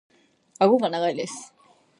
顎が長いです。